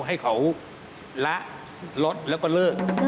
ให้เขาละลดแล้วก็เลิก